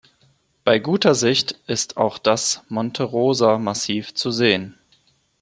Bei guter Sicht ist auch das Monte-Rosa-Massiv zu sehen.